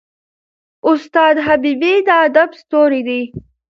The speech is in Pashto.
استاد حبیبي د ادب ستوری دی.